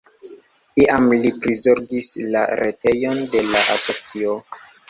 Iam li prizorgis la retejon de la asocio.